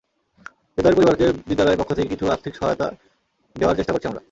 হৃদয়ের পরিবারকে বিদ্যালয়ের পক্ষ থেকে কিছু আর্থিক সহায়তা দেওয়ার চেষ্টা করছি আমরা।